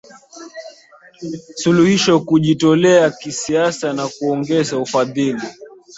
suluhisho kujitolea kisiasa na kuongeza ufadhili